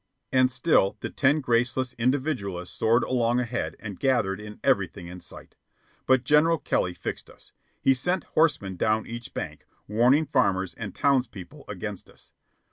And still the ten graceless individualists soared along ahead and gathered in everything in sight. But General Kelly fixed us. He sent horsemen down each bank, warning farmers and townspeople against us.